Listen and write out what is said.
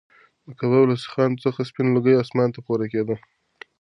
د کباب له سیخانو څخه سپین لوګی اسمان ته پورته کېده.